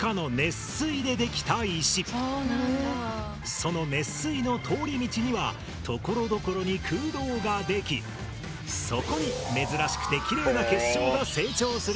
その熱水の通り道にはところどころに空洞ができそこに珍しくてキレイな結晶が成長するんだそう。